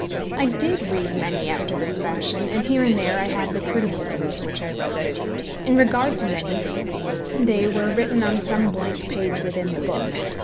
I did read many after this fashion, and here and there I have the criticisms which I wrote. In regard to many, they were written on some blank page within the book.